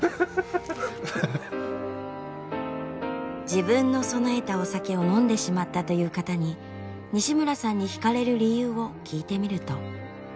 自分の供えたお酒を飲んでしまったという方に西村さんにひかれる理由を聞いてみると。